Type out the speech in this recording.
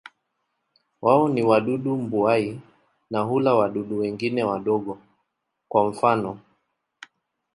Wao ni wadudu mbuai na hula wadudu wengine wadogo, kwa mfano.